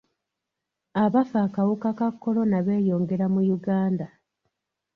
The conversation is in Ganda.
Abafa akawuka ka kolona beeyongera mu Uganda.